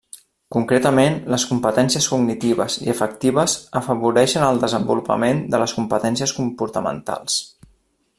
Concretament, les competències cognitives i afectives afavoreixen el desenvolupament de les competències comportamentals.